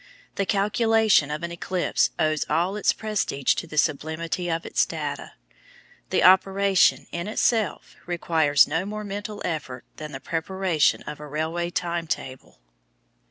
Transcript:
The calculation of an eclipse owes all its prestige to the sublimity of its data; the operation, in itself, requires no more mental effort than the preparation of a railway time table.